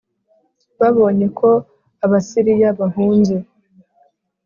babonye ko Abasiriya bahunze